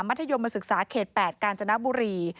ธยมศึกษาเขต๘กาญจนบุรี